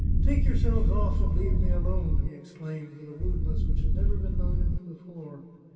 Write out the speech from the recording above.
" Take yourselves off and leave me alone !" he exclaimed with a rudeness which had never been known in him before.